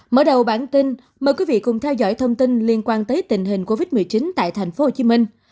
mở đầu bản tin mời quý vị cùng theo dõi thông tin liên quan tới tình hình covid một mươi chín tại thành phố hồ chí minh